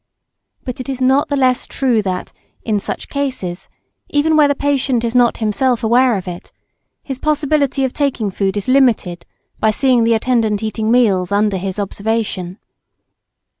But it is not the less true that, in such cases, even where the patient is not himself aware of it, his possibility of taking food is limited by seeing the attendant eating meals under his observation.